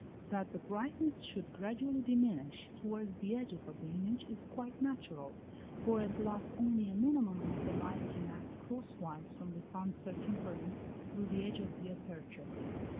That the brightness should gradually diminish towards the edges of the image is quite natural, for at last only a minimum of the light can act cross wise from the sun's circumference through the edge of the aperture.